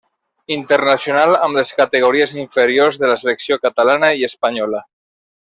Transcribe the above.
Internacional amb les categories inferiors de la selecció catalana i espanyola.